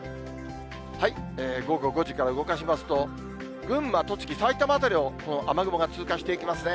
午後５時から動かしますと、群馬、栃木、埼玉辺りはこの雨雲が通過していきますね。